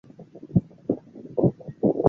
军委办公厅是军委的办事机构。